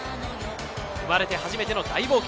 生まれて初めての大冒険。